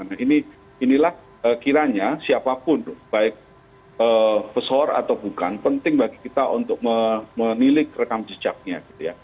nah inilah kiranya siapapun baik pesohor atau bukan penting bagi kita untuk menilik rekam jejaknya gitu ya